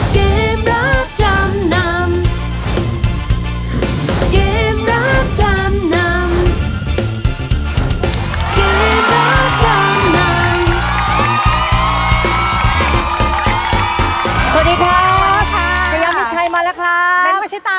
สวัสดีครับมาแล้วค่ะ